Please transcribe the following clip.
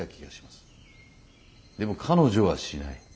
でも彼女はしない。